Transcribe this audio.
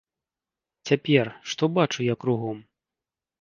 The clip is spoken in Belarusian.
Цяпер, што бачу я кругом?